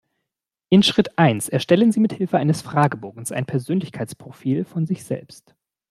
In Schritt eins erstellen Sie mithilfe eines Fragebogens ein Persönlichkeitsprofil von sich selbst.